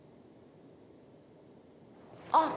あっ。